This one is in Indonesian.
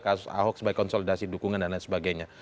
kasus ahok sebagai konsolidasi dukungan dan lain sebagainya